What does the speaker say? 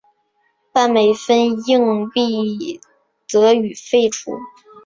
半美分硬币则予废除。